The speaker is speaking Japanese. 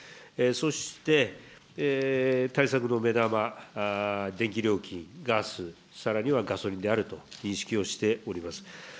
そして、対策の目玉、電気料金、ガス、さらにはガソリンであると認識をしております。